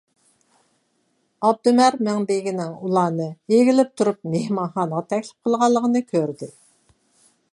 ئابدۇمەر مىڭبېگىنىڭ ئۇلارنى ئېگىلىپ تۇرۇپ مېھمانخانىغا تەكلىپ قىلغىنىنى كۆردى.